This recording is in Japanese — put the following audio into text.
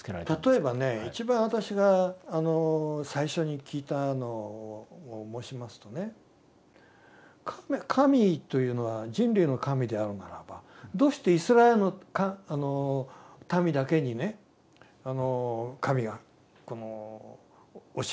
例えばね一番私が最初に聞いたのを申しますとね神というのは人類の神であるならばどうしてイスラエルの民だけにね神が教えを垂れたのか。